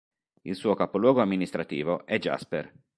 Il suo capoluogo amministrativo è Jasper.